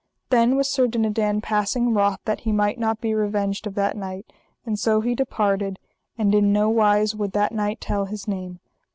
Then was Sir Dinadan passing wroth that he might not be revenged of that knight; and so he departed, and in no wise would that knight tell his name.